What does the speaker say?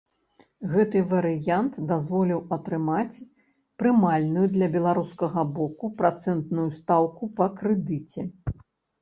Гэты варыянт дазволіў атрымаць прымальную для беларускага боку працэнтную стаўку па крэдыце.